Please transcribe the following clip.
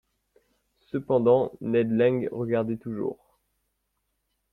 Cependant Ned Land regardait toujours.